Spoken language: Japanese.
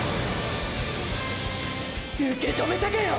受け止めたかよ！！